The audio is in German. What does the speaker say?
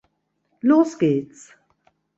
Los gehts!